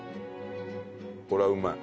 これはうまい。